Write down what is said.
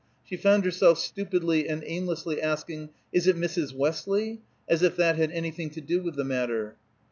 She found herself stupidly and aimlessly asking, "Is it Mrs. Westley?" as if that had anything to do with the matter.